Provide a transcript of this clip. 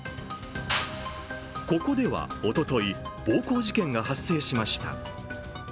ここでは、おととい、暴行事件が発生しました。